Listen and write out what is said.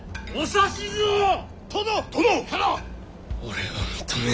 俺は認めぬ。